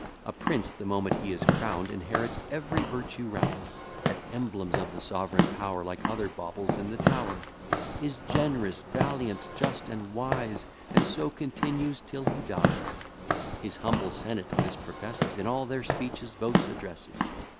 A prince, the moment he is crown'd, Inherits every virtue round, As emblems of the sovereign power, Like other baubles in the Tower; Is generous, valiant, just, and wise, And so continues till he dies: His humble senate this professes, In all their speeches, votes, addresses.